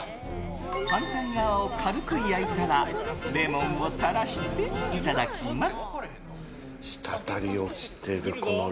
反対側を軽く焼いたらレモンを垂らしていただきます。